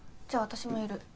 じゃあ私もいる。